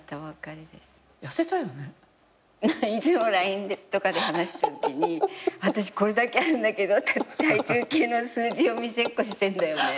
いつもＬＩＮＥとかで話してるときに私これだけあるんだけどって体重計の数字を見せっこしてんだよね。